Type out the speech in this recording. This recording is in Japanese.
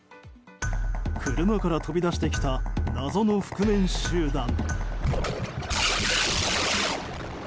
車から飛び出してきた謎の覆面集団。